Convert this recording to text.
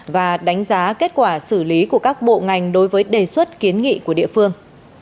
và đánh giá kết quả xử lý của các bộ ngành đối với đề xuất kiến nghị của địa phương